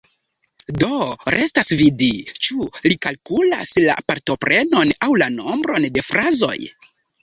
Do restas vidi, ĉu li kalkulas la partoprenon aŭ la nombron de frazoj.